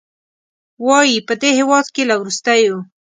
وايي، په دې هېواد کې له وروستیو